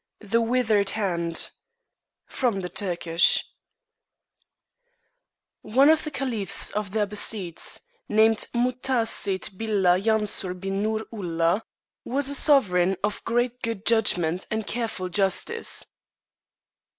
The Withered Hand From the Turkish QNE of the caliphs of the Abassides, named Mutaasid Billah Yansur bi nour UUah, was a sovereign of great good judgment and careful justice.